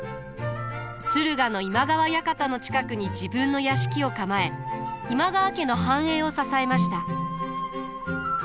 駿河の今川館の近くに自分の屋敷を構え今川家の繁栄を支えました。